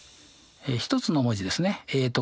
一つの文字ですねとか